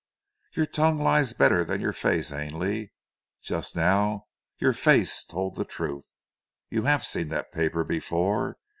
"Your tongue lies better than your face, Ainley. Just now your face told the truth. You have seen that paper before.